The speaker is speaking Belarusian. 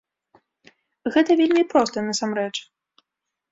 Гэта вельмі проста насамрэч.